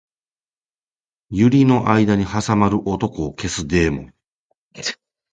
百合の間に挟まる男を消すデーモン